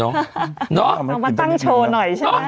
เอามาตั้งโชว์หน่อยใช่ไหม